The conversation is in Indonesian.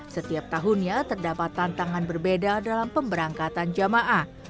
setiap tahunnya terdapat tantangan berbeda dalam pemberangkatan jamaah